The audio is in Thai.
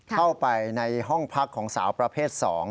เข้าไปในห้องพักของสาวประเภท๒